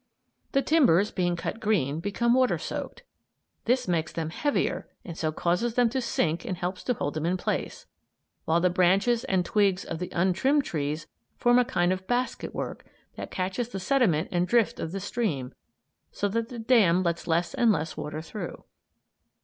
The timbers, being cut green, become water soaked. This makes them heavier and so causes them to sink and helps to hold them in place; while the branches and twigs of the untrimmed trees form a kind of basketwork that catches the sediment and drift of the stream, and so the dam lets less and less water through.